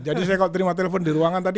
jadi saya kalau terima telepon di ruangan tadi